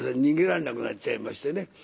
逃げられなくなっちゃいましてね